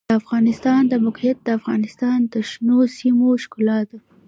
د افغانستان د موقعیت د افغانستان د شنو سیمو ښکلا ده.